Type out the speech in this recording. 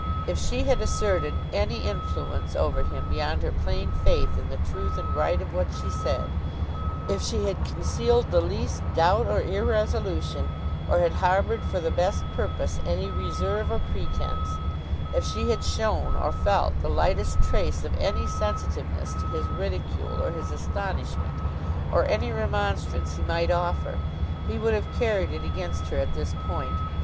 If she had asserted any influence over him beyond her plain faith in the truth and right of what she said; if she had concealed the least doubt or irresolution, or had harboured for the best purpose any reserve or pretence; if she had shown, or felt, the lightest trace of any sensitiveness to his ridicule or his astonishment, or any remonstrance he might offer; he would have carried it against her at this point.